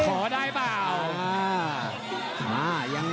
ขอบนะคะ